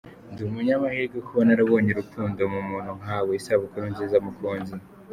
Ndi umunyamahirwe kuba narabonye urukundo mu muntu nkawe, isabukuru nziza mukunzi.